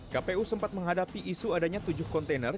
kpu sempat menghadapi isu adanya tujuh kontainer